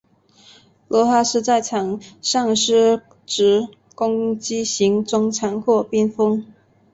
罗哈斯在场上司职攻击型中场或边锋。